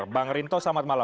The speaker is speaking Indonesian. bang rinto selamat malam